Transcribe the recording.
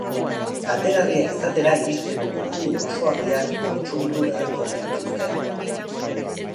Kaltegarria izatera iristeko kopuru oso handiak kontsumitu beharko genituzke.